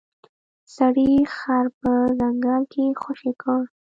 سړي خر په ځنګل کې خوشې کړ.